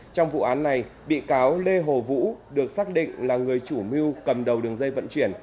trong vụ án này bị cáo lê hồ vũ được xác định là người chủ mưu cầm đầu đường dây vận chuyển